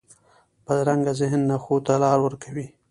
بدرنګه ذهن نه ښو ته لار ورکوي